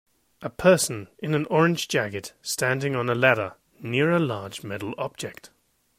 A person in an orange jacket standing on a ladder near a large metal object